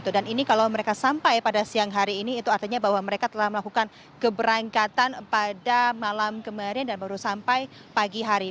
dan ini kalau mereka sampai pada siang hari ini itu artinya bahwa mereka telah melakukan keberangkatan pada malam kemarin dan baru sampai pagi hari